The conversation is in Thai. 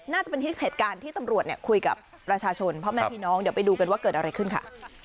น่าจะเป็นคลิปเหตุการณ์ที่ตำรวจคุยกับประชาชนพ่อแม่พี่น้องเดี๋ยวไปดูกันว่าเกิดอะไรขึ้นค่ะ